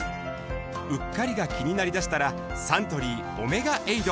うっかりが気になりだしたらサントリー「オメガエイド」